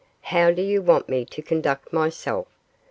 'How do you want me to conduct myself?